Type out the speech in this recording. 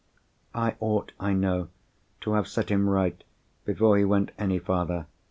I ought, I know, to have set him right before he went any farther.